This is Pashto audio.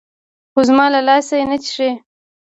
خو زما له لاسه يې نه چښي.